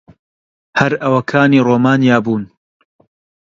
هەر ئەوەکانی ڕۆمانیا بوون.